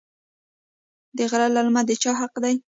د غره للمه د چا حق دی؟